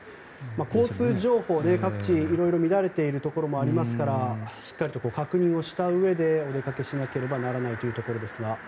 交通情報で各地いろいろ乱れているところもありますからしっかりと確認したうえでお出かけしなければならないというところですが。